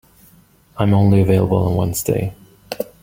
I am only available on Wednesday.